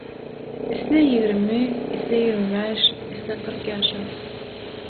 Isle ýigrimi, isle ýigrimi bäş, isle kyrk ýaşa